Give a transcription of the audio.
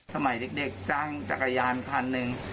สมัยเด็กจ้างจักรยานคันหนึ่ง